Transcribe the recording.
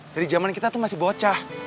dari zaman kita tuh masih bocah